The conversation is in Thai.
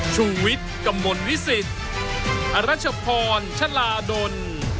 ชูเวทกำมลวิสิทธิ์อรัชพรชะลาดล